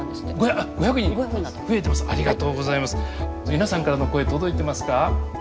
皆さんからの声届いてますか？